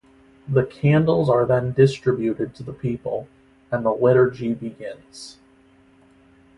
The candles are then distributed to the people and the Liturgy begins.